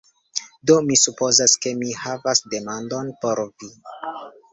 Do mi supozas ke mi havas demandon por vi: